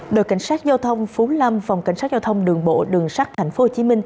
đội cảnh sát giao thông phú lâm phòng cảnh sát giao thông đường bộ đường sắt tp hcm